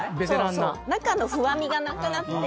中のふわみがなくなって。